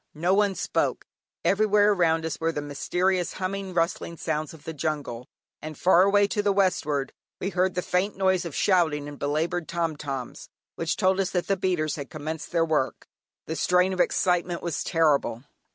No one spoke. Everywhere around us were the mysterious humming, rustling sounds of the jungle, and far away to the westward we heard the faint noise of shouting and belaboured "tom toms," which told us that the beaters had commenced their work. The strain of excitement was terrible.